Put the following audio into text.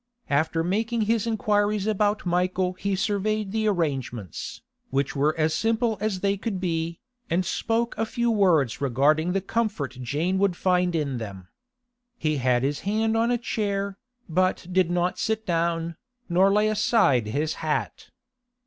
After making his inquiries about Michael he surveyed the arrangements, which were as simple as they could be, and spoke a few words regarding the comfort Jane would find in them. He had his hand on a chair, but did not sit down, nor lay aside his hat.